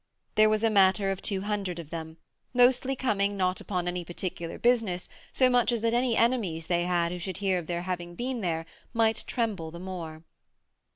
There was a matter of two hundred of them, mostly coming not upon any particular business so much as that any enemies they had who should hear of their having been there might tremble the more.